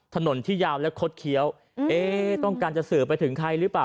ถนนที่ยาวและคดเคี้ยวเอ๊ต้องการจะสื่อไปถึงใครหรือเปล่า